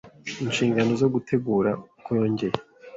inshingano zo gutegura uko yongeye